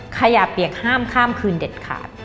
ขยะเปียกห้ามข้ามคืนเด็ดขาด